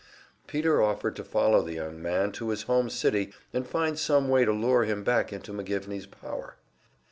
Peter offered to follow the young man to his home city, and find some way to lure him back into McGivney's power.